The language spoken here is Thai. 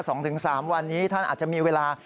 สองถึงสามวันนี้ท่านอาจจะมีเวลา